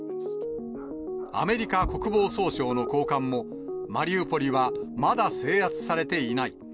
アメリカ国防総省の高官も、マリウポリはまだ制圧されていない。